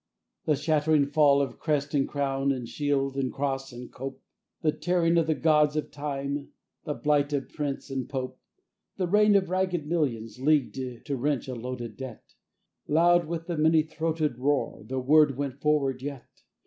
The shattering fall of crest and crown and shield and cross and cope, The tearing of the gauds of time, the blight of prince and pope, The reign of ragged millions leagued to wrench a loaded debt, Loud with the many throated roar, the word went forward yet.